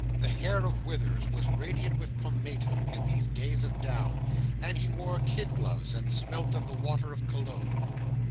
The hair of Withers was radiant with pomatum, in these days of down, and he wore kid gloves and smelt of the water of Cologne.